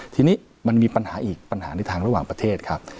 ทีนี้มันมีปัญหาอีกปัญหาในทางระหว่างประเทศครับ